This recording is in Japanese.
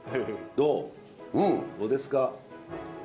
どうですか？